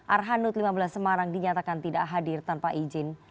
arhanud lima belas semarang dinyatakan tidak hadir tanpa izin